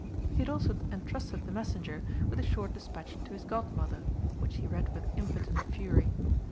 He had also entrusted the messenger with a short despatch to his Godmother, which she read with impotent fury.